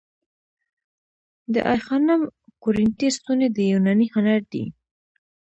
د آی خانم کورینتی ستونې د یوناني هنر دي